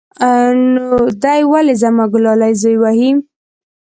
نو دى ولې زما گلالى زوى وهي.